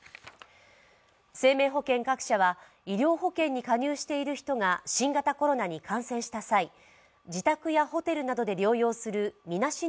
生命保険各社は医療保険に加入している人が新型コロナに感染した際、自宅やホテルなどで療養するみなし